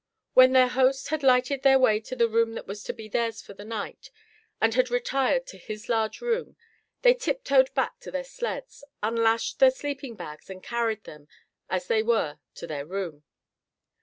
When their host had lighted their way to the room that was to be theirs for the night, and had retired to his large room, they tip toed back to their sleds, unlashed their sleeping bags and carried them as they were to their room.